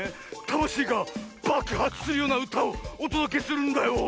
たましいがばくはつするようなうたをおとどけするんだよ。